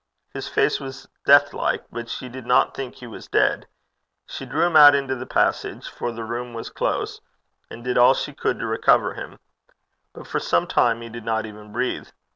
His face was deathlike, but she did not think he was dead. She drew him out into the passage, for the room was close, and did all she could to recover him; but for some time he did not even breathe.